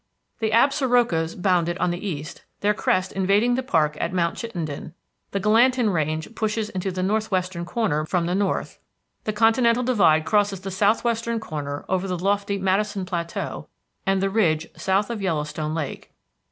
The Absarokas bound it on the east, their crest invading the park at Mount Chittenden. The Gallatin Range pushes into the northwestern corner from the north. The continental divide crosses the southwestern corner over the lofty Madison Plateau and the ridge south of Yellowstone Lake.